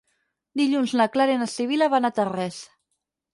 Dilluns na Clara i na Sibil·la van a Tarrés.